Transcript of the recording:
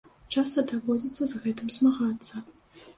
Часта даводзіцца з гэтым змагацца.